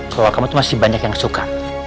soalnya kamu masih banyak yang suka